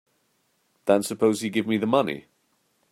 Then suppose you give me the money.